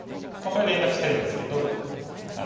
これ連絡してるんですけど。